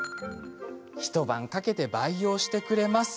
一晩かけて培養してくれます。